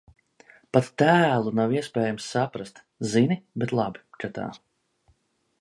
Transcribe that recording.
Pat tēlu nav iespējams saprast. Zini, bet labi, ka tā.